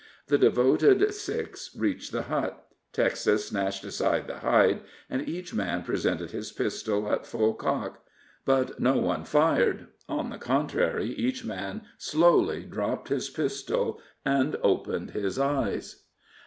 The devoted six reached the hut, Texas snatched aside the hide, and each man presented his pistol at full cock. But no one fired; on the contrary, each man slowly dropped his pistol, and opened his eyes.